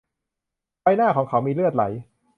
ใบหน้าของเขามีเลือดไหล